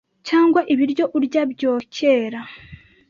cyangwa ibiryo urya byokera